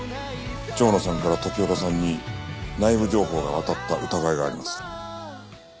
蝶野さんから時岡さんに内部情報が渡った疑いがあります。